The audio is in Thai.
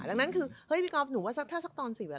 หลังนั้นคือพี่กอฟหนูว่าถ้าสักตอนสี่ว่า